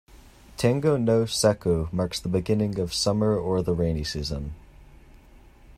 "Tango no Sekku" marks the beginning of summer or the rainy season.